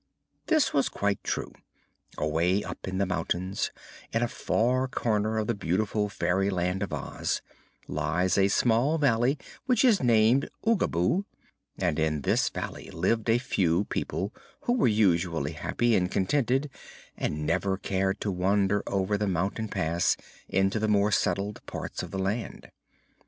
This was quite true. Away up in the mountains, in a far corner of the beautiful fairyland of Oz, lies a small valley which is named Oogaboo, and in this valley lived a few people who were usually happy and contented and never cared to wander over the mountain pass into the more settled parts of the land.